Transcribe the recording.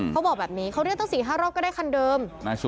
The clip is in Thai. เขาบอกแบบนี้เขาเรียกตั้ง๔๕รอบก็ได้คันเดิม